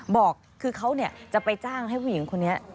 บอกคือเขาจะไปจ้างให้ผู้หญิงคนนี้